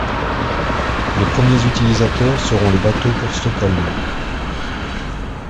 Les premiers utilisateurs seront les bateaux pour Stockholm.